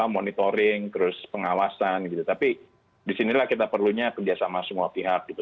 monitoring terus pengawasan gitu tapi disinilah kita perlunya kerjasama semua pihak gitu